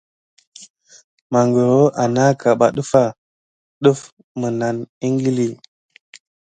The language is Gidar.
Magoro anaka ɓa defa def menane ékili.